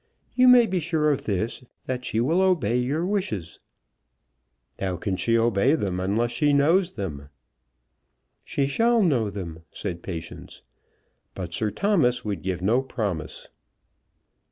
You may be sure of this, that she will obey your wishes." "How can she obey them, unless she knows them?" "She shall know them," said Patience. But Sir Thomas would give no promise.